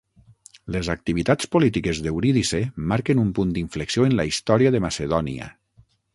Les activitats polítiques d'Eurídice marquen un punt d'inflexió en la història de Macedònia.